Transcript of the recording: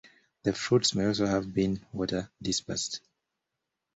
The fruits may also have been water dispersed.